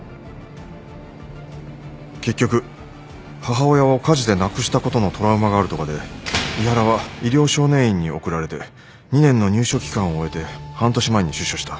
結局母親を火事で亡くしたことのトラウマがあるとかで井原は医療少年院に送られて２年の入所期間を終えて半年前に出所した。